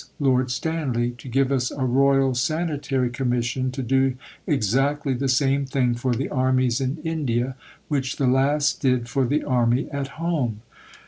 Lord Stanley, to give us a Royal Sanitary Commission to do exactly the same thing for the Armies in India which the last did for the Army at home.